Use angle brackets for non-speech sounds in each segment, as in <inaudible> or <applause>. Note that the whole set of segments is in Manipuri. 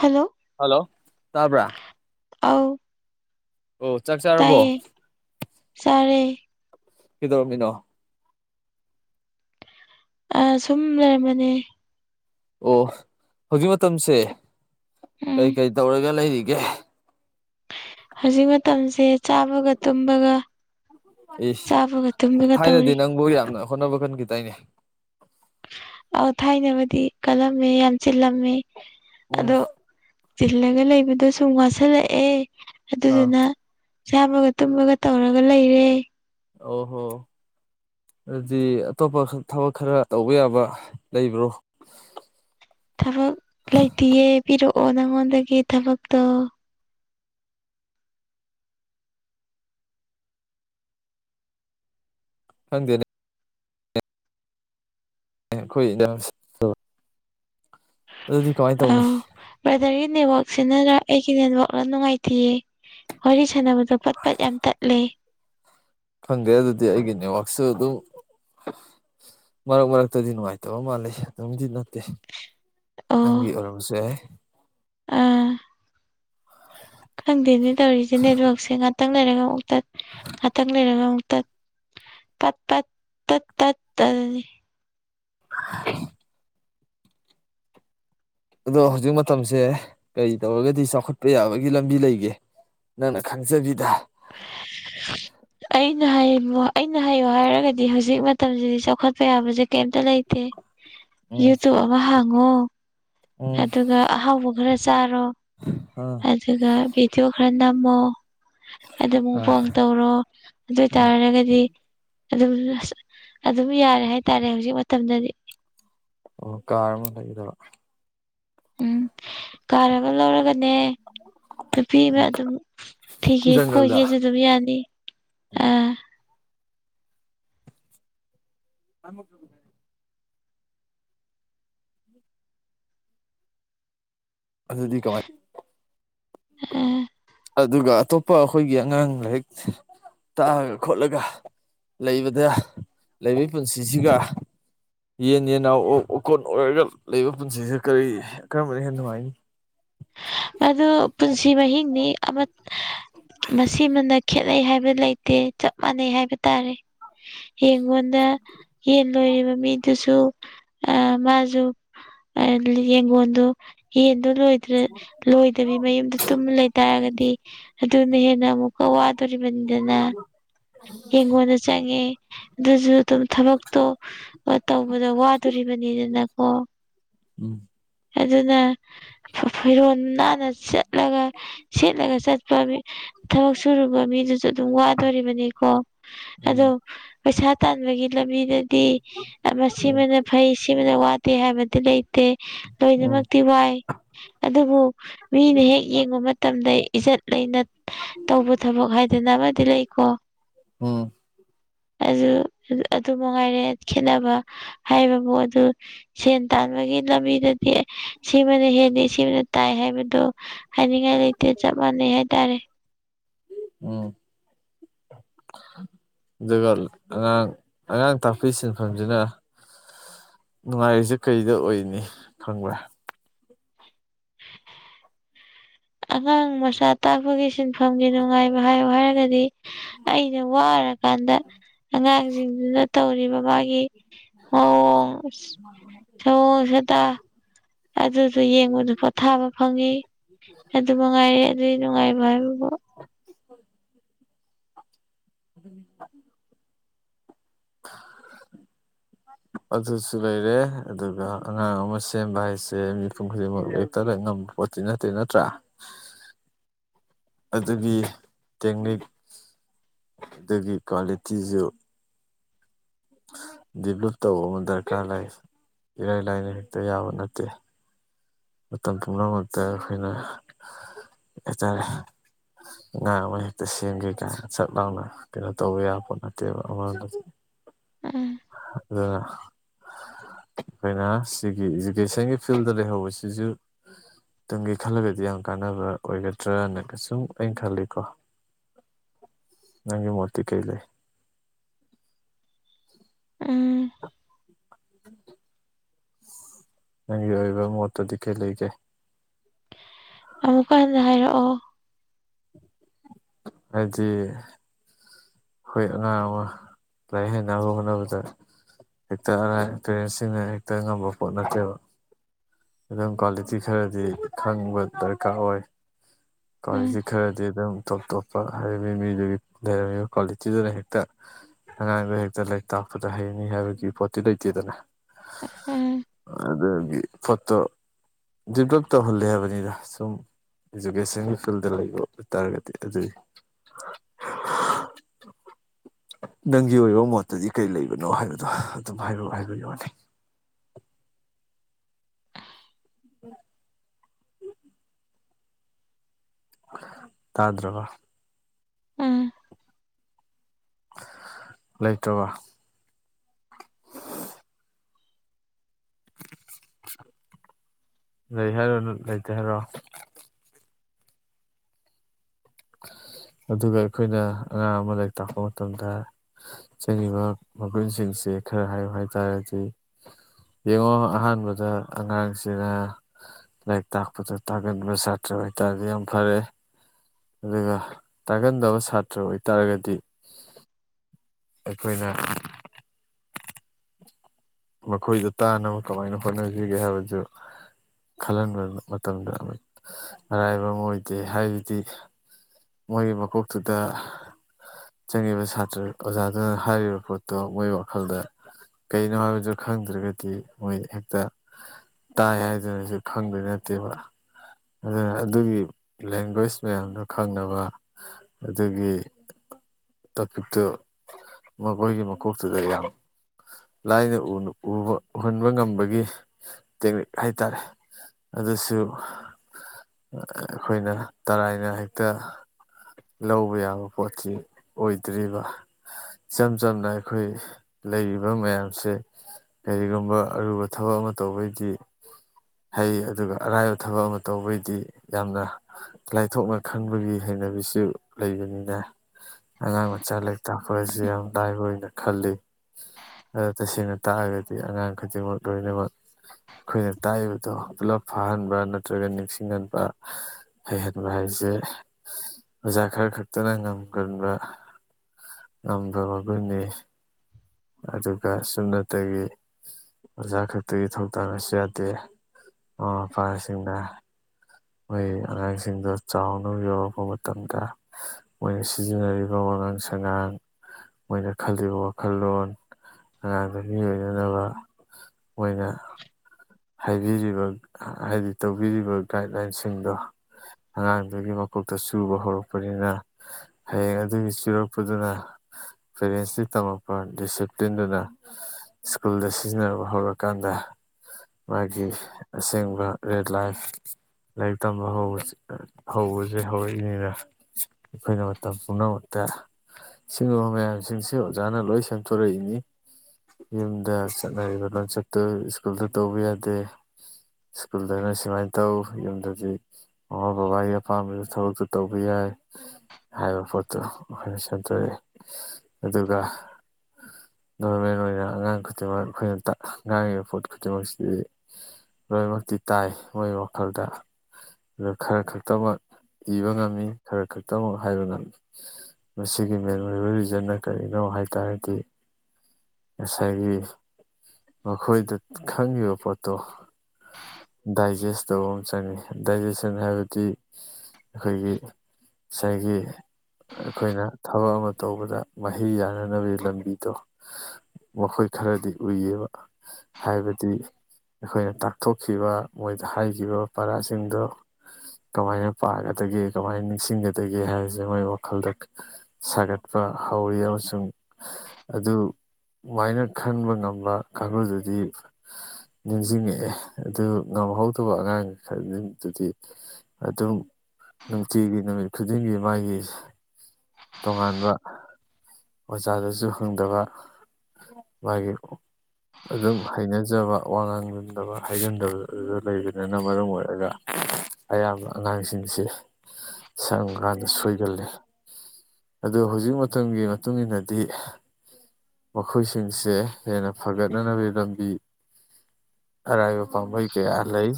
ꯍꯜꯂꯣ ꯍꯜꯂꯣ ꯇꯥꯕ꯭ꯔꯥ ꯑꯥꯎ ꯑꯣ ꯆꯥꯛ ꯇꯌꯦ ꯆꯥꯔꯕꯣ ꯆꯔꯦ ꯀꯩꯗꯧꯔꯝꯃꯤꯅꯣ ꯁꯨꯝ ꯂꯩꯔꯝꯕꯅꯦ ꯑꯣ ꯍꯧꯖꯤꯛ ꯃꯇꯝꯁꯦ ꯎꯝ ꯀꯔꯤ ꯀꯔꯤ ꯇꯧꯔꯒ ꯂꯩꯔꯤꯒꯦ ꯍꯧꯖꯤꯛ ꯃꯇꯝꯁꯦ ꯆꯥꯕꯒ ꯇꯨꯝꯕꯒ ꯏꯁꯁ ꯆꯥꯕꯒ ꯇꯨꯝꯕꯒ ꯊꯥꯏꯅꯗꯤ ꯇꯧꯔꯤ ꯅꯪꯕꯨ ꯌꯥꯝꯅ ꯍꯣꯠꯅꯕ ꯀꯟꯈꯤ ꯇꯏꯅꯦ ꯑ ꯊꯥꯏꯅꯕꯗꯤ ꯀꯜꯂꯝꯃꯦ ꯌꯥꯝ ꯆꯤꯜꯂꯝꯃꯦ ꯎꯝ ꯑꯗꯣ ꯆꯤꯜꯂꯒ ꯂꯩꯕꯗꯣ ꯁꯨꯝ ꯋꯥꯁꯤꯜꯂꯛꯑꯦ ꯑꯥ ꯑꯗꯨꯗꯨꯅ ꯆꯥꯝꯃꯒ ꯇꯨꯝꯃꯒ ꯇꯧꯔꯒ ꯂꯩꯔꯦ ꯑꯣ ꯍꯣ ꯑꯗꯨꯗꯤ ꯑꯇꯣꯞꯄ ꯊꯕꯛ ꯈꯔ ꯇꯧꯕ ꯌꯥꯕ ꯂꯩꯕ꯭ꯔꯣ ꯊꯕꯛ ꯂꯩꯇꯌꯦ ꯄꯤꯔꯛꯑꯣ ꯅꯪꯉꯣꯟꯗꯒꯤ ꯊꯕꯛꯇꯣ ꯍꯪꯦꯅꯦ ꯑꯦ ꯑꯩꯈꯣꯏ ꯏꯗ ꯑꯗꯨꯗꯤ ꯀꯃꯥꯏꯅ ꯇꯧꯅꯤ ꯏꯝꯕ꯭ꯔꯣꯏꯗꯔꯤꯒꯤ ꯅꯦꯠꯋꯥꯛꯁꯤ ꯅꯠꯇ꯭ꯔ ꯑꯩꯒꯤ ꯅꯦꯠꯋꯥꯛꯅ ꯅꯨꯡꯉꯥꯏꯇꯦꯌꯦ ꯋꯥꯔꯤ ꯁꯥꯟꯅꯕꯗꯣ ꯄꯠ ꯄꯠ ꯌꯥꯝ ꯇꯠꯂꯦ ꯈꯪꯒꯦ ꯑꯗꯨꯗꯤ ꯑꯩꯒꯤ ꯅꯦꯋꯥꯛꯁꯨ ꯑꯗꯨꯝ ꯃꯔꯛ ꯃꯔꯛꯇꯗꯤ ꯅꯨꯡꯉꯥꯏꯇꯕ ꯃꯥꯜꯂꯤ ꯑꯗꯨꯝꯗꯤ ꯅꯠꯇꯦ ꯑꯣ ꯅꯪꯒꯤ ꯑꯣꯏꯔꯝꯁꯦ ꯑꯥ ꯈꯪꯗꯦꯅꯦ ꯇꯧꯔꯤꯁꯦ ꯅꯦꯠꯋꯛꯁꯦ ꯉꯥꯛꯇꯪ ꯂꯩꯔꯒ ꯑꯃꯨꯛꯇ ꯉꯥꯛꯇꯪ ꯂꯩꯔꯒ ꯑꯃꯨꯛ ꯇꯠꯠ ꯇꯠ ꯇꯠ <unintelligible> ꯑꯗꯣ ꯍꯧꯖꯤꯛ ꯃꯇꯝꯁꯦ ꯀꯔꯤ ꯇꯧꯔꯒꯗꯤ ꯆꯥꯎꯈꯠꯄ ꯌꯥꯕꯒꯤ ꯂꯝꯕꯤ ꯂꯩꯒꯦ ꯅꯪꯅ ꯈꯪꯖꯕꯤꯗ <unintelligible> ꯑꯩꯅ ꯍꯥꯏ ꯑꯩꯕꯨ ꯍꯥꯏꯌꯣ ꯍꯥꯏꯔꯒꯗꯤ ꯍꯧꯖꯤꯛ ꯃꯇꯝꯁꯤꯗꯤ ꯆꯥꯎꯈꯠꯄ ꯌꯥꯕꯁꯦ ꯀꯩꯝꯇ ꯂꯩꯇꯦ ꯎꯝ ꯌꯨꯇꯨꯕ ꯑꯃ ꯍꯥꯡꯉꯣ ꯎꯝ ꯑꯗꯨꯒ ꯑꯍꯥꯎꯕ ꯈꯔ ꯆꯥꯔꯣ ꯑꯥ ꯑꯗꯨꯒ ꯕꯤꯗꯤꯑꯣ ꯈꯔ ꯅꯝꯃꯣ ꯑꯗꯨ ꯃꯨꯛ ꯑꯥ ꯕꯥꯡ ꯇꯧꯔꯣ ꯑꯗꯨ ꯑꯥ ꯑꯣꯏꯇꯥꯔꯒꯗꯤ ꯑꯗꯨꯝ ꯑꯗꯨꯝ ꯌꯥꯔꯦ ꯍꯥꯏꯇꯥꯔꯦ ꯍꯧꯖꯤꯛ ꯃꯇꯝꯗꯗꯤ ꯑꯣ ꯀꯥꯔꯃ ꯂꯩꯒꯗꯕ ꯎꯝ ꯀꯥꯔ ꯑꯃ ꯂꯧꯔꯒꯅꯦ ꯅꯨꯄꯤ ꯑꯃ ꯎꯝ ꯑꯗꯨꯝ ꯊꯤꯒꯦ ꯖꯪꯒꯜꯗ ꯀꯣꯏꯒꯦꯁꯨ ꯑꯗꯨꯝ ꯌꯥꯅꯤ ꯎꯝ ꯑꯥ <unintelligible> ꯑꯗꯨꯗꯤ ꯀꯃꯥꯏꯟ ꯑꯥ ꯑꯗꯨꯒ ꯑꯇꯣꯞꯄ ꯑꯩꯈꯣꯏꯒꯤ ꯑꯉꯥꯡ ꯂꯥꯏꯔꯤꯛ ꯇꯥꯛꯑꯒ ꯈꯣꯠꯂꯒ ꯂꯩꯕꯗ ꯂꯩꯕꯒꯤ ꯄꯨꯟꯁꯤꯁꯤꯒ ꯌꯦꯟ ꯌꯦꯟꯅꯥꯎ ꯎꯀꯣꯟ ꯑꯣꯏꯔꯒ ꯂꯩꯕ ꯄꯨꯟꯁꯤꯁꯤꯗ ꯀꯔꯤ ꯀꯔꯝꯕꯅ ꯍꯦꯟꯅ ꯅꯨꯡꯉꯥꯏꯅꯤ ꯑꯗꯨ ꯄꯨꯟꯁꯤ ꯃꯍꯤꯡꯅꯤ ꯑꯃꯠ ꯃꯁꯤꯃꯅ ꯈꯦꯅꯩ ꯍꯥꯏꯕ ꯂꯩꯇꯦ ꯆꯞ ꯃꯥꯟꯅꯩ ꯍꯥꯏꯕ ꯇꯥꯔꯦ ꯌꯦꯡꯉꯣꯟꯗ ꯌꯦꯟ ꯂꯣꯏꯔꯤꯕ ꯃꯤꯗꯨꯁꯨ ꯑꯥ ꯃꯥꯁꯨ ꯑꯥ ꯌꯦꯡꯒꯣꯟꯗꯨ ꯌꯦꯟꯗꯨ ꯂꯣꯏꯗ꯭ꯔ ꯂꯣꯏꯗꯕꯤ ꯃꯌꯨꯝꯗ ꯇꯨꯝ ꯂꯩꯇꯥꯔꯒꯗꯤ ꯑꯗꯨꯅ ꯍꯦꯟꯅ ꯑꯃꯨꯛꯀꯥ ꯋꯥꯗꯣꯔꯤꯕꯅꯤꯗꯅ ꯌꯦꯡꯒꯣꯟꯗ ꯆꯪꯉꯦ ꯑꯗꯨꯁꯨ ꯑꯗꯨꯝ ꯊꯕꯛꯇꯣ ꯇꯧꯕꯗꯣ ꯋꯥꯗꯣꯔꯤꯕꯅꯤꯗꯅꯀꯣ ꯎꯝ ꯑꯗꯨꯅ ꯐꯤꯔꯣꯜ ꯅꯥꯟꯅ ꯆꯠ ꯂꯒ ꯁꯦꯠꯂꯒ ꯆꯠꯄ ꯃꯤ ꯊꯕꯛ ꯁꯨꯔꯨꯕ ꯃꯤꯗꯨꯁꯨ ꯑꯗꯨꯝ ꯋꯥꯗꯣꯔꯤꯕꯅꯤꯀꯣ ꯑꯗꯣ ꯎꯝ ꯄꯩꯁꯥ ꯇꯥꯟꯕꯒꯤ ꯂꯝꯕꯤꯗꯗꯤ ꯑꯃ ꯎꯝ ꯁꯤꯃꯅ ꯐꯩ ꯁꯤꯃꯅ ꯋꯥꯠ ꯇꯦ ꯍꯥꯏꯕꯗꯤ ꯂꯩꯇꯦ ꯎꯝ ꯂꯣꯏꯅꯃꯛꯇꯤ ꯋꯥꯏ ꯑꯗꯨꯕꯨ ꯃꯤꯅ ꯍꯦꯛ ꯌꯦꯡꯕ ꯃꯇꯝꯗ ꯏꯖꯠ ꯂꯩꯅ ꯇꯧꯕ ꯊꯕꯛ ꯍꯥꯏꯗꯅ ꯑꯃꯗꯤ ꯂꯩꯀꯣ ꯎꯝ ꯑꯗꯨ ꯑꯗꯨ ꯃꯡꯉꯥꯏꯔꯦ ꯈꯦꯠꯅꯕ ꯍꯥꯏꯕ ꯄꯣꯠ ꯑꯗꯨ ꯁꯦꯟ ꯇꯥꯟꯕꯒꯤ ꯂꯝꯕꯤꯗꯗꯤ ꯁꯤꯃꯅ ꯍꯦꯜꯂꯤ ꯁꯤꯃꯅ ꯇꯥꯏ ꯍꯥꯏꯕꯗꯣ ꯍꯥꯏꯅꯤꯡꯉꯥꯏ ꯂꯩꯇꯦ ꯆꯞ ꯃꯥꯟꯅꯩ ꯍꯥꯏꯇꯥꯔꯦ ꯎꯝ ꯑꯗꯨꯒ ꯑꯉꯥꯡ ꯑꯉꯥꯡ ꯇꯥꯛꯄꯤ ꯁꯤꯟꯐꯝꯁꯤꯅ ꯅꯨꯡꯉꯥꯏꯔꯤꯖꯦ ꯀꯩꯗ ꯑꯣꯏꯅꯤ ꯈꯪꯕ꯭ꯔꯥ ꯑꯉꯥꯡ ꯃꯆꯥ ꯇꯥꯛꯄꯒꯤ ꯁꯤꯟꯐꯝꯒꯤ ꯅꯨꯡꯉꯥꯏꯕ ꯍꯥꯏꯌꯣ ꯍꯥꯏꯔꯒꯗꯤ ꯑꯩꯅ ꯋꯥꯔꯀꯥꯟꯗ ꯑꯉꯥꯡꯖꯤꯡꯗꯨꯅ ꯇꯧꯔꯤꯕ ꯃꯥꯒꯤ ꯃꯑꯣꯡ ꯁꯑꯣꯡ ꯁꯥꯗ ꯑꯗꯨꯗꯨ ꯌꯦꯡꯕꯗ ꯄꯣꯊꯥꯕ ꯐꯪꯉꯤ ꯑꯗꯨ ꯃꯉꯥꯏꯔꯦ ꯑꯗꯨꯏ ꯅꯨꯡꯉꯥꯏꯕ ꯍꯥꯏꯕꯕꯨ <unintelligible> <unintelligible> ꯑꯗꯨꯁꯨ ꯂꯩꯔꯦ ꯑꯗꯨꯒ ꯑꯉꯥꯡ ꯑꯃ ꯁꯦꯝꯕ ꯍꯥꯏꯁꯦ ꯃꯤꯄꯨꯝ ꯈꯨꯗꯤꯡꯃꯛ ꯍꯦꯛꯇ ꯂꯣꯏ ꯉꯝ ꯄꯣꯠꯇꯤ ꯅꯠꯇꯦ ꯅꯠꯇ꯭ꯔꯥ ꯑꯗꯨꯒꯤ ꯇꯦꯛꯅꯤꯛ ꯑꯗꯨꯒꯤ ꯀ꯭ꯋꯥꯂꯤꯇꯤꯖꯨ ꯗꯤꯚꯂꯞ ꯇꯧꯕ ꯑꯃ ꯗꯔꯀꯥꯔ ꯂꯩ ꯏꯔꯥꯏ ꯂꯥꯏꯅ ꯍꯦꯛꯇ ꯌꯥꯕ ꯅꯠꯇꯦ ꯃꯇꯝ ꯄꯨꯝꯅꯃꯛꯇ ꯑꯩꯈꯣꯏꯅ ꯀꯩꯇꯥꯔꯦ ꯉ ꯋꯥ ꯍꯦꯛꯛꯇ ꯁꯦꯝꯒꯦ ꯀꯥꯏ ꯆꯠ ꯂꯥꯎꯅ ꯄ ꯇꯧꯣ ꯅꯠꯇ ꯎꯝ ꯑꯗꯨꯅ ꯑꯩꯈꯣꯏꯅ ꯁꯤꯒꯤ ꯏꯖꯨꯀꯦꯁꯟꯒꯤ ꯐꯤꯜꯗ ꯂꯩꯍꯧꯔꯤꯁꯤꯦ ꯁꯤꯁꯨ ꯇꯪꯒꯤ ꯈꯜꯂꯒꯗꯤ ꯌꯥꯝ ꯀꯥꯟꯅꯕ ꯑꯣꯏꯒꯗ꯭ꯔꯅ ꯀꯩꯁꯨꯝ ꯑꯩꯅ ꯈꯜꯂꯤꯀꯣ ꯅꯪꯒꯤ ꯃꯇ ꯀꯩ ꯂꯩ ꯑꯥ ꯅꯪꯒꯤ ꯑꯣꯏꯕ ꯃꯣꯠꯇꯗꯤ ꯀꯩ ꯂꯩꯒꯦ ꯑꯃꯨꯛꯀ ꯍ ꯍꯥꯏ ꯑꯣ ꯑꯣ ꯍꯥꯏꯗꯤ ꯑꯩꯈꯣꯏ ꯑꯉꯥꯡ ꯑꯃ ꯂꯥꯏꯔꯤꯛ ꯍꯅꯕ ꯍꯣꯠꯅꯕꯗ ꯍꯦꯛꯇ ꯑ ꯄꯦꯔꯦꯟꯁꯤꯡꯅ ꯍꯦꯛꯇ ꯉꯝꯕ ꯄꯣꯠ ꯅꯠꯇꯦꯕ ꯑꯗꯨꯝ ꯀ꯭ꯋꯥꯂꯤꯇꯤ ꯈꯔꯗꯤ ꯈꯪꯕ ꯗꯔꯀꯥꯔ ꯑꯣꯏ ꯎꯝ ꯀꯣꯂꯦꯖꯁꯤ ꯈꯔꯗꯤ ꯑꯗꯨꯝ ꯇꯣꯞ ꯇꯣꯞꯄ ꯍꯥꯏꯔꯃꯤ ꯃꯤꯗꯨꯒꯤ ꯂꯩꯔꯝꯃꯤꯕ ꯀꯣꯂꯦ ꯠꯇꯤꯗꯨꯅ ꯍꯦꯛꯇ ꯑꯉꯥꯡꯕ ꯍꯦꯛꯇ ꯂꯥꯏꯔꯤꯛ ꯇꯥꯛꯄꯗ ꯍꯩꯅꯤ ꯍꯥꯏꯕꯒꯤ ꯄꯣꯠꯇꯤ ꯂꯩꯇꯦꯗꯅ ꯎꯝ ꯑꯗꯨꯗꯕꯤ ꯐꯠꯇ ꯗꯤꯕꯂꯞ ꯇꯧꯍꯜꯂꯦ ꯍꯥꯏꯕꯅꯤꯗ ꯁꯨꯝ ꯏꯖꯨꯀꯦꯁꯟꯒꯤ ꯐꯤꯜꯗ ꯂꯩꯕ ꯑꯣꯏꯇꯥꯔꯒꯗꯤ ꯑꯗꯨꯏ ꯅꯪꯒꯤ ꯑꯣꯏꯕ ꯃꯣꯠꯇꯗꯤ ꯀꯔꯤ ꯂꯩꯕꯅꯣ ꯍꯥꯏꯕꯗꯣ ꯑꯗꯨꯝ ꯍꯥꯏꯔ ꯍꯥꯏꯕ ꯌꯥ ꯋꯥꯅꯤ <inaudible> ꯇꯥꯗ꯭ꯔꯕ ꯎꯝ ꯂꯩꯇꯕ ꯂꯩ ꯍꯥꯏꯔꯣ ꯂꯩꯇꯦ ꯍꯥꯏꯔꯣ ꯑꯗꯨꯒ ꯑꯩꯈꯣꯏꯅ ꯑꯉꯥꯡ ꯑꯃ ꯂꯥꯏꯔꯤꯛ ꯇꯥꯛꯄ ꯃꯇꯝꯗ ꯆꯪꯉꯤꯕ ꯃꯒꯨꯟꯁꯤꯡꯁꯦ ꯈꯔ ꯍꯥꯏꯌꯨ ꯍꯥꯏ ꯇꯥꯔꯗꯤ ꯌꯦꯡꯉꯣ ꯑꯍꯥꯟꯕꯗ ꯑꯉꯥꯡꯁꯤꯅ ꯂꯥꯏꯛ ꯇꯥꯛꯄꯤꯇ ꯇꯥꯗꯁꯇ꯭ꯔ ꯍꯣꯏꯇꯥꯔꯗꯤ ꯌꯥꯝ ꯐꯔꯦ ꯑꯗꯨꯒ ꯇꯥꯒꯟꯗꯕ ꯁꯥꯇ꯭ꯔ ꯑꯣꯏꯇꯥꯔꯒꯗꯤ ꯑꯩꯈꯣꯏꯅ ꯃꯈꯣꯏꯗ ꯇꯥꯅꯕ ꯀꯃꯥꯏꯅ ꯍꯣꯠꯅꯁꯤꯒꯦ ꯍꯥꯏꯕꯗꯨ ꯈꯜꯍꯟꯕ ꯃꯇꯝꯗ ꯑꯔꯥꯏꯕ ꯑꯃ ꯑꯣꯏꯗꯦ ꯍꯥꯏꯕꯗꯤ ꯃꯣꯏꯒꯤ ꯃꯀꯣꯛꯇꯨꯗ ꯆꯪꯉꯤꯕ ꯁꯥꯇ꯭ꯔ ꯑꯣꯖꯥꯗꯨꯅ ꯍꯥꯏꯔꯤꯕ ꯄꯣꯠꯇꯣ ꯃꯣꯏ ꯋꯥꯈꯜꯗ ꯀꯩꯅꯣ ꯍꯥꯏꯕꯗꯨ ꯈꯪꯗ꯭ꯔꯒꯗꯤ ꯃꯣꯏ ꯍꯦꯛꯇ ꯇꯥꯏ ꯍꯥꯏꯗꯨꯅꯁꯨ ꯈꯪꯗꯣꯏ ꯅꯠꯇꯦꯕ ꯑꯗꯨ ꯑꯗꯨꯒꯤ ꯂꯦꯡꯒ꯭ꯋꯦꯁ ꯃꯌꯥꯝꯗꯣ ꯈꯪꯅꯕ ꯑꯗꯨꯒꯤ ꯇꯄꯤꯇꯨ ꯃꯈꯣꯏꯒꯤ ꯃꯀꯣꯛꯇꯨꯗ ꯌꯥꯝ ꯂꯥꯏꯅ ꯎꯕ ꯎꯍꯟꯕ ꯉꯝꯕꯒꯤ ꯇꯦꯛꯅꯤꯛ ꯍꯥꯏꯇꯥꯔꯦ ꯑꯗꯨꯁꯨ ꯑꯩꯈꯣꯏꯅ ꯇꯔꯥꯏꯅ ꯍꯦꯛꯇ ꯂꯧꯕ ꯌꯥꯕ ꯄꯣꯠꯁꯤ ꯑꯣꯏꯗ꯭ꯔꯤꯕ ꯏꯆꯝ ꯆꯝꯅ ꯑꯩꯈꯣꯏ ꯂꯩꯔꯤꯕ ꯃꯌꯥꯝꯁꯦ ꯀꯔꯤꯒꯨꯝꯕ ꯑꯔꯨꯕ ꯊꯕꯛ ꯑꯃ ꯇꯧꯕꯩꯗꯤ ꯍꯩ ꯑꯗꯨꯒ ꯑꯔꯥꯏꯕ ꯊꯕꯛ ꯑꯃ ꯇꯧꯕꯩꯗꯤ ꯌꯥꯝꯅ ꯂꯥꯏꯊꯣꯛꯅ ꯈꯪꯕꯒꯤ ꯍꯩꯅꯕꯤꯁꯨ ꯂꯩꯕꯅꯤꯅ ꯑꯉꯥꯡ ꯃꯆꯥ ꯂꯥꯏꯔꯤꯛ ꯇꯥꯛꯄꯁꯤ ꯌꯥꯝ ꯂꯥꯏꯑꯣꯅ ꯈꯜꯂꯤ ꯑꯣ ꯇꯁꯦꯡꯅ ꯇꯥꯛꯑꯒꯗꯤ ꯑꯉꯥꯡ ꯈꯨꯗꯤꯡꯃꯛ ꯂꯣꯏꯅꯃꯛ ꯑꯩꯈꯣꯏꯅ ꯇꯥꯛꯏꯕꯗꯣ ꯄꯨꯂꯞ ꯐꯥꯍꯟꯕ ꯅꯠꯇ꯭ꯔꯒ ꯅꯤꯡꯁꯤꯡꯍꯟꯕ ꯍꯩꯍꯟꯕ ꯍꯥꯏꯕꯁꯦ ꯑꯣꯖꯥ ꯈꯔ ꯈꯛꯇꯅ ꯉꯝꯒꯟꯕ ꯉꯝꯕ ꯃꯒꯨꯟꯅꯤ ꯑꯗꯨꯒ ꯁꯨꯞꯅꯇꯒꯤ ꯑꯣꯖꯥ ꯈꯛꯇꯒꯤ ꯊꯧꯗꯥꯡꯅꯁꯨ ꯌꯥꯗꯦ ꯃꯃꯥ ꯃꯄꯥꯁꯤꯡꯅ ꯃꯣꯏ ꯑꯉꯥꯡꯁꯤꯡꯗꯣ ꯆꯥꯎꯅꯕ ꯌꯣꯛꯂꯛꯄ ꯃꯇꯝꯗ ꯃꯣꯏꯅ ꯁꯤꯖꯤꯟꯅꯔꯤꯕ ꯋꯥꯉꯥꯡ ꯁꯉꯥꯡ ꯃꯣꯏꯅ ꯈꯜꯂꯤꯕ ꯋꯥꯈꯜꯂꯣꯟ ꯑꯉꯥꯡꯗ ꯃꯤ ꯑꯣꯏꯅꯅꯅꯕ ꯃꯣꯏꯅ ꯍꯥꯏꯕꯤꯔꯤꯕ ꯍꯥꯏꯗꯤ ꯇꯧꯕꯤꯔꯤꯕ ꯒꯥꯏꯗꯂꯥꯏꯟꯁꯤꯡꯗꯣ ꯑꯉꯥꯡꯗꯨꯒꯤ ꯃꯀꯣꯛꯇ ꯆꯨꯕ ꯍꯧꯔꯛꯄꯅꯤꯅ ꯍꯌꯦꯡ ꯑꯗꯨꯒꯤ ꯆꯨꯔꯛꯄꯗꯨꯅ ꯄꯦꯔꯦꯟꯁꯇ ꯇꯝꯃꯛꯄ ꯗꯤꯁꯤꯄ꯭ꯂꯤꯟꯗꯨꯅ ꯁ꯭ꯀꯨꯜꯗ ꯁꯤꯖꯤꯟꯅꯕ ꯍꯧꯔꯀꯥꯟꯗ ꯃꯥꯒꯤ ꯑꯁꯦꯡꯕ ꯔꯦꯠ ꯂꯥꯏꯐ ꯂꯥꯏꯔꯤꯛ ꯇꯝꯕ ꯍꯧꯕ ꯍꯧꯕꯁꯦ ꯍꯧꯔꯛꯏꯅꯤꯅ ꯑꯩꯈꯣꯏꯅ ꯃꯇꯝ ꯄꯨꯝꯅꯃꯛꯇ ꯁꯤꯒꯨꯝꯕ ꯃꯌꯥꯝꯁꯤꯡꯁꯤ ꯑꯣꯖꯥꯅ ꯂꯣꯏ ꯁꯦꯝꯗꯣꯔꯛꯏꯅꯤ ꯌꯨꯝꯗ ꯆꯠꯅꯔꯤꯕ ꯂꯣꯟꯆꯛꯇꯨ ꯁ꯭ꯀꯨꯜꯗ ꯇꯧꯕ ꯌꯥꯗꯦ ꯁ꯭ꯀꯨꯜꯗꯅ ꯁꯨꯃꯥꯏꯟ ꯇꯧ ꯌꯨꯝꯗꯗꯤ ꯃꯃꯥ ꯕꯕꯥꯒꯤ ꯑꯄꯥꯝꯕꯗꯨ ꯊꯕꯛꯇꯨ ꯇꯧꯕ ꯌꯥꯏ ꯍꯥꯏꯕ ꯄꯣꯠꯇꯣ ꯑꯈꯣꯏꯅ ꯁꯟꯇꯣꯛꯑꯦ ꯑꯗꯨꯒ ꯅꯣꯔꯃꯦꯜ ꯑꯣꯏꯅ ꯑꯉꯥꯡ ꯈꯨꯗꯤꯡꯃꯛ ꯑꯩꯈꯣꯏꯅ ꯇ ꯉꯥꯡꯉꯤꯕ ꯄꯣꯠ ꯈꯨꯗꯤꯡꯃꯛꯁꯤꯗꯤ ꯂꯣꯏꯃꯛꯇꯤ ꯇꯥꯏ ꯃꯣꯏ ꯋꯥꯈꯜꯗ ꯑꯗꯨ ꯈꯔ ꯈꯛꯇꯃꯛ ꯏꯕ ꯉꯝꯃꯤ ꯈꯔ ꯈꯛꯇꯃꯛ ꯍꯥꯏꯕ ꯉꯝꯃꯤ ꯃꯁꯤꯒꯤ ꯃꯦꯟ ꯑꯣꯏꯔꯤꯕ ꯔꯤꯖꯟꯅ ꯀꯔꯤꯅꯣ ꯍꯥꯏ ꯇꯥꯔꯗꯤ ꯉꯁꯥꯏꯒꯤ ꯃꯈꯣꯏꯗ ꯈꯪꯉꯤꯕ ꯄꯣꯠꯇꯣ ꯗꯥꯏꯖꯦꯁ ꯇꯧꯕ ꯑꯃ ꯆꯪꯉꯤ ꯗꯥꯏꯖꯦꯁꯟ ꯍꯥꯏꯕꯗꯤ ꯑꯩꯈꯣꯏꯒꯤ ꯉꯁꯥꯏꯒꯤ ꯑꯩꯈꯣꯏꯅ ꯊꯕꯛ ꯑꯃ ꯇꯧꯕꯗ ꯃꯍꯩ ꯌꯥꯅꯅꯕꯩ ꯂꯝꯕꯤꯗꯣ ꯃꯈꯣꯏ ꯈꯔꯗꯤ ꯎꯏꯌꯦꯕ ꯍꯥꯏꯕꯗꯤ ꯑꯩꯈꯣꯏꯅ ꯇꯥꯛꯊꯣꯛꯈꯤꯕ ꯃꯣꯏꯗ ꯍꯥꯏꯈꯤꯕ ꯄꯔꯥꯁꯤꯡꯗꯣ ꯀꯃꯥꯏꯅ ꯄꯥꯒꯗꯒꯦ ꯀꯃꯥꯏꯅ ꯅꯤꯡꯁꯤꯡꯒꯗꯒꯦ ꯍꯥꯏꯕꯁꯦ ꯃꯣꯏ ꯋꯥꯈꯜꯗ ꯁꯥꯒꯠꯄ ꯍꯧꯔꯤ ꯑꯃꯁꯨꯡ ꯑꯗꯨ ꯑꯗꯨꯃꯥꯏꯅ ꯈꯟꯕ ꯉꯝꯕ ꯀꯥꯡꯕꯨꯗꯨꯗꯤ ꯅꯤꯡꯁꯤꯡꯉꯛꯑꯦ ꯑꯗꯨ ꯉꯝꯍꯧꯗꯕ ꯑꯉꯥꯡ ꯈꯔꯗꯨꯗꯤ ꯑꯗꯨꯝ ꯅꯨꯡꯇꯤꯒꯤ ꯅꯨꯃꯤꯠ ꯈꯨꯗꯤꯡꯒꯤ ꯃꯥꯒꯤ ꯇꯣꯉꯥꯟꯕ ꯑꯣꯖꯥꯗꯁꯨ ꯍꯪꯗꯕ ꯃꯥꯒꯤ ꯑꯗꯨꯝ ꯍꯩꯅꯖꯕ ꯋꯥ ꯉꯥꯡꯒꯟꯗꯕ ꯍꯥꯏꯒꯟꯗꯕ ꯑꯗꯨꯗ ꯂꯩꯕꯅꯤꯅ ꯃꯔꯝ ꯑꯣꯏꯔꯒ ꯑꯌꯥꯝꯕ ꯑꯉꯥꯡꯁꯤꯡꯁꯤ ꯁꯪꯀꯥꯟꯗ ꯁꯣꯏꯒꯜꯂꯤ ꯑꯗꯨ ꯍꯧꯖꯤꯛ ꯃꯇꯝꯒꯤ ꯃꯇꯨꯡ ꯏꯟꯅꯗꯤ ꯃꯈꯣꯏꯁꯤꯡꯁꯦ ꯍꯦꯟꯅ ꯐꯒꯠꯅꯅꯕꯒꯤ ꯂꯝꯕꯤ ꯑꯔꯥꯏꯕ ꯄꯥꯝꯕꯩ ꯀꯌꯥ ꯂꯩ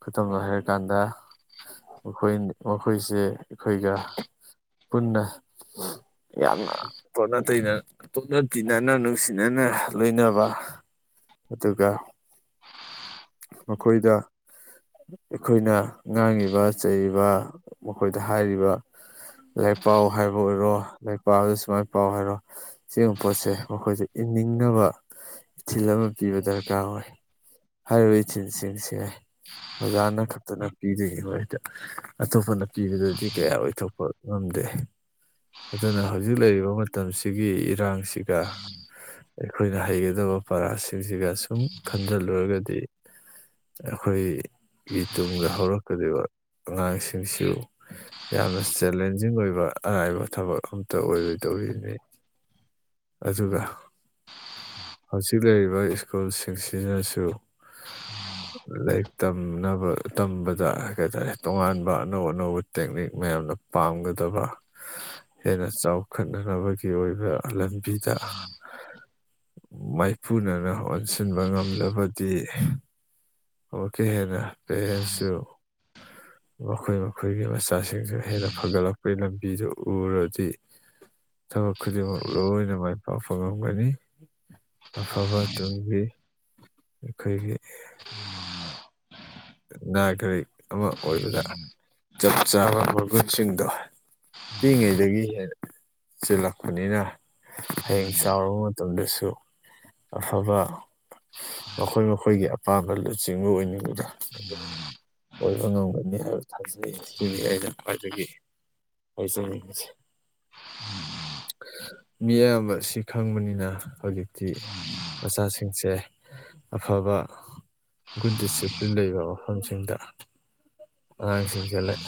ꯈꯨꯗꯝ ꯑꯣꯏꯅ ꯍꯥꯏꯔꯀꯥꯟꯗ ꯃꯈꯣꯏ ꯃꯈꯣꯏꯁꯦ ꯑꯩꯈꯣꯏꯒ ꯄꯨꯟꯅ ꯌꯥꯝ ꯇꯣꯠꯅ ꯇꯩꯅ ꯇꯣꯠꯅ ꯇꯤꯟꯅꯅ ꯅꯨꯡꯁꯤꯅꯅ ꯂꯣꯏꯅꯕ ꯑꯗꯨꯒ ꯃꯈꯣꯏꯗ ꯑꯩꯈꯣꯏꯅ ꯉꯥꯡꯉꯤꯕ ꯆꯩꯔꯤꯕ ꯃꯈꯣꯏꯗ ꯍꯥꯏꯔꯤꯕ ꯂꯥꯏꯛ ꯄꯥꯎ ꯍꯥꯏꯕ ꯑꯣꯏꯔꯣ ꯂꯣꯏꯄꯥꯗꯨ ꯁꯨꯃꯥꯏ ꯄꯥꯎ ꯍꯥꯏꯔꯣ ꯁꯤꯒꯨꯝꯕ ꯄꯣꯠꯁꯦ ꯃꯈꯣꯏꯁꯦ ꯏꯅꯤꯡꯅꯕ ꯏꯊꯤꯜ ꯑꯃ ꯄꯤꯕ ꯗꯔꯀꯥꯔ ꯑꯣꯏ ꯍꯥꯏꯔꯤꯕ ꯏꯊꯤꯟꯁꯤꯡꯁꯦ ꯑꯣꯖꯥꯅ ꯅ ꯄꯤꯗꯣꯏꯔꯤꯉꯣꯏꯗ ꯑꯇꯣꯞꯄꯅ ꯄꯤꯕꯗꯗꯤ ꯀꯌꯥ ꯑꯣꯏꯊꯣꯛꯄ ꯉꯝꯗꯦ ꯑꯗꯨꯅ ꯍꯧꯖꯤꯛ ꯂꯩꯔꯤꯕ ꯃꯇꯝꯁꯤꯒꯤ ꯏꯔꯥꯡꯁꯤ ꯑꯩꯈꯣꯏꯅ ꯍꯩꯒꯗꯕ ꯄꯔꯥꯁꯤꯡꯁꯤꯒ ꯁꯨꯝ ꯈꯟꯖꯤꯜꯂꯨꯔꯒꯗꯤ ꯑꯩꯈꯣꯏꯒꯤ ꯇꯨꯡꯗ ꯍꯧꯔꯛꯀꯗꯧꯕ ꯑꯉꯥꯡꯁꯤꯡꯁꯨ ꯌꯥꯝꯅ ꯆꯦꯂꯦꯟꯖꯤꯡ ꯑꯣꯏꯕ ꯑꯉꯥꯏꯕ ꯊꯕꯛ ꯑꯝꯇ ꯑꯣꯏꯔꯣꯏꯗꯧꯔꯤꯕꯅꯤ꯫ ꯑꯗꯨꯒ ꯍꯧꯖꯤꯛ ꯂꯩꯔꯤꯕ꯫ ꯂꯣꯏ ꯁ꯭ꯀꯨꯜꯁꯤꯡꯁꯤꯅꯁꯨ ꯂꯥꯏꯔꯤꯛ ꯇꯝꯅꯕ ꯇꯝꯕꯗ ꯀꯩ ꯍꯥꯏꯇꯥꯔꯦ ꯇꯣꯉꯥꯟꯕ ꯑꯅꯧ ꯑꯅꯧꯕ ꯇꯦꯛꯅꯤꯛ ꯃꯌꯥꯝꯅ ꯄꯥꯝꯒꯗꯕ ꯍꯦꯟꯅ ꯆꯥꯎꯈꯠꯅꯅꯕꯒꯤ ꯑꯣꯏꯕ ꯂꯝꯕꯤꯗ ꯃꯥꯏꯄꯨꯅꯅ ꯑꯣꯟꯁꯤꯟꯕ ꯉꯝꯂꯕꯗꯤ ꯑꯃꯨꯛꯀ ꯍꯦꯟꯅ ꯄꯦꯔꯦꯟꯁꯨ ꯃꯈꯣꯏ ꯃꯈꯣꯏꯒꯤ ꯃꯁ ꯃꯆꯥꯁꯤꯡꯁꯨ ꯍꯦꯟꯅ ꯐꯒꯠꯂꯛꯄꯒꯤ ꯂꯝꯕꯤꯗꯨ ꯎꯔꯗꯤ ꯊꯕꯛ ꯈꯨꯗꯤꯡꯃꯛ ꯂꯣꯏꯅ ꯃꯥꯏ ꯄꯥꯛꯄ ꯉꯝꯒꯅꯤ꯫ ꯑꯐꯕ ꯇꯣꯡꯕꯤ ꯑꯩꯈꯣꯏꯒꯤ꯫ ꯅꯥꯒꯔꯤꯛ ꯑꯃ ꯑꯣꯏꯕꯗ ꯆꯞ ꯆꯥꯕ ꯃꯒꯨꯟꯁꯤꯡꯗꯣ ꯄꯤꯛꯉꯩꯗꯒꯤ ꯍꯦꯟꯅ ꯆꯜꯂꯛꯄꯅꯤꯅ ꯍꯌꯦꯡ ꯆꯥꯎꯔꯕ ꯃꯇꯝꯗꯁꯨ ꯑꯐꯕ ꯃꯈꯣꯏ ꯃꯈꯣꯏꯒꯤ ꯑꯄꯥꯝꯕ ꯂꯨꯆꯤꯡꯕ ꯑꯣꯏꯅꯤꯡꯕꯗ ꯑꯣꯏꯕ ꯉꯝꯒꯅꯤ ꯍꯥꯏꯕ ꯊꯥꯖꯩ ꯁꯤꯗꯤ ꯑꯩꯅ ꯈ꯭ꯋꯥꯏꯗꯒꯤ ꯑꯩꯩꯁꯦ ꯃꯤ ꯑꯌꯥꯝꯕꯁꯤ ꯈꯪꯕꯅꯤꯅ ꯍꯧꯖꯤꯛꯇꯤ ꯃꯆꯥꯁꯤꯡꯁꯦ ꯑꯐꯕ ꯒꯨꯠ ꯗꯤꯁꯤꯄ꯭ꯂꯤꯟ ꯂꯩꯕ ꯃꯐꯝꯁꯤꯡꯗ ꯑꯉꯥꯡꯁꯤꯡꯁꯦ ꯂꯩ